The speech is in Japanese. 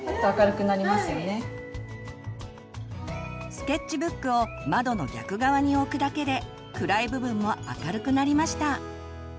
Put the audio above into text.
スケッチブックを窓の逆側に置くだけで暗い部分も明るくなりました。